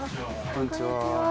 こんにちは。